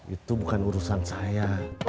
itu bukan urusan saya